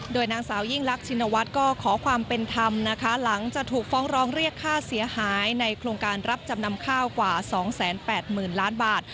โดยนางสาวยิ่งรักชินวัฒน์ก็ขอความเป็นธรรมนะคะหลังจากถูกฟ้องร้องเรียกค่าเสียหายในโครงการรับจำนำข้าวกว่า๒๘๐๐๐ล้านบาท